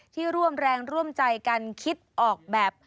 ร่วมแรงร่วมใจกันคิดออกแบบ